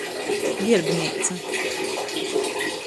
Vierbneica.